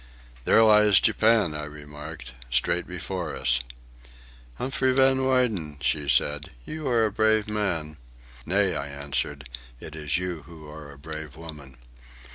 "There lies Japan," I remarked, "straight before us." "Humphrey Van Weyden," she said, "you are a brave man." "Nay," I answered, "it is you who are a brave woman."